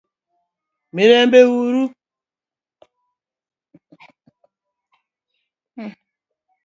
Mirembe uru?